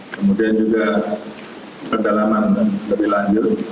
kemudian juga pendalaman lebih lanjut